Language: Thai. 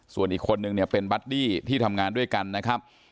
ส่วนอีกคนนึงเนี่ยเป็นบัดดี้ที่ทำงานด้วยกันนะครับ